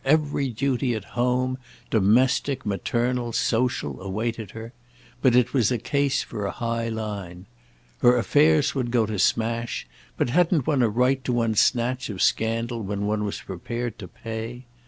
Every duty at home, domestic, maternal, social, awaited her; but it was a case for a high line. Her affairs would go to smash, but hadn't one a right to one's snatch of scandal when one was prepared to pay?